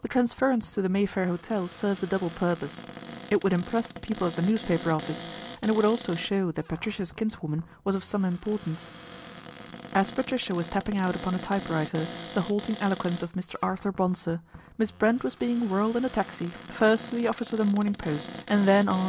The transference to " The Mayfair Hotel " served a double purpose. It would impress the people at the newspaper office, and it would also show that Patricia's kinswoman was of some importance. As Patricia was tapping out upon a typewriter the halting eloquence of Mr. Arthur Bonsor, Miss Brent was being whirled in a taxi first to the office of The Morning Post and then on.